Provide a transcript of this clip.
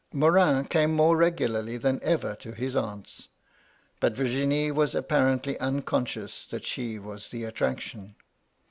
Morin came more regularly than ever to his aunt's; but Virginie was apparently un conscious that she was the attraction.